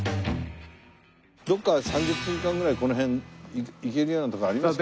どっか３０分間ぐらいこの辺行けるような所ありますかね？